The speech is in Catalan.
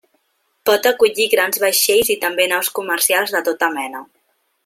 Pot acollir grans vaixells i també naus comercials de tota mena.